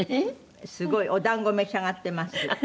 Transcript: すごい。お団子召し上がってます。